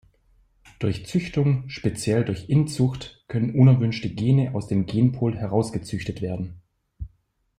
Durch Züchtung, speziell durch Inzucht, können unerwünschte Gene aus dem Genpool herausgezüchtet werden.